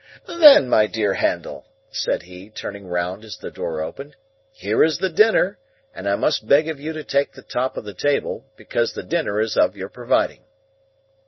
"Then, my dear Handel," said he, turning round as the door opened, "here is the dinner, and I must beg of you to take the top of the table, because the dinner is of your providing."